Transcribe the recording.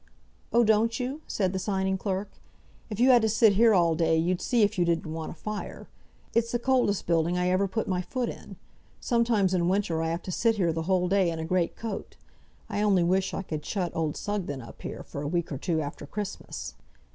"Oh; don't you?" said the signing clerk. "If you had to sit here all day, you'd see if you didn't want a fire. It's the coldest building I ever put my foot in. Sometimes in winter I have to sit here the whole day in a great coat. I only wish I could shut old Sugden up here for a week or two, after Christmas."